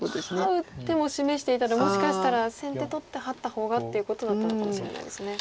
ハウ手も示していたのでもしかしたら先手取ってハッた方がっていうことだったのかもしれないですね。